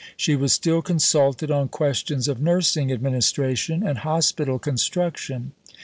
She was still consulted on questions of nursing administration and hospital construction.